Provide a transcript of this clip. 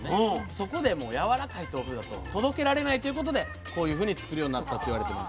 そこでやわらかい豆腐だと届けられないということでこういうふうに作るようになったって言われてます。